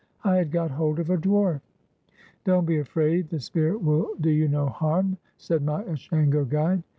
I had got hold of a dwarf ! "Don't be afraid; the Spirit will do you no harm," said my Ashango guide.